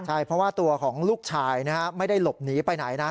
ใช่เพราะว่าตัวของลูกชายไม่ได้หลบหนีไปไหนนะ